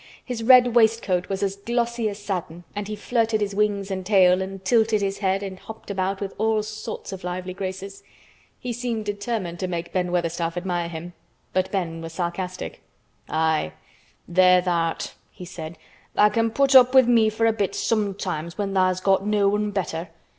His red waistcoat was as glossy as satin and he flirted his wings and tail and tilted his head and hopped about with all sorts of lively graces. He seemed determined to make Ben Weatherstaff admire him. But Ben was sarcastic. "Aye, there tha' art!" he said. "Tha' can put up with me for a bit sometimes when tha's got no one better.